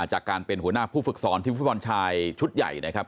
จากการเป็นหัวหน้าผู้ฝึกสอนทีมฟุตบอลชายชุดใหญ่นะครับ